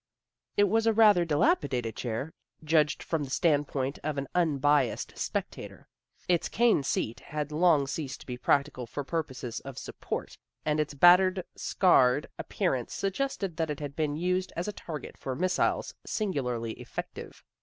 It was a rather dilapidated chair, judged from the standpoint of an unbiassed spectator. Its cane seat had long ceased to be practical for purposes of sup port, and its battered, scarred appearance suggested that it had been used as a target for missiles singularly effective.